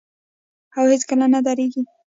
او هیڅکله نه دریږي.